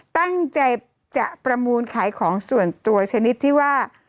ตั้งใจจะประมูลขายของส่วนตัวชนิดที่ว่า